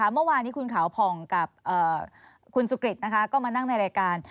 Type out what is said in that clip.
เมื่อวานนี้คุณขาวผ่องกับคุณสุกริตก็มานั่งในรายการ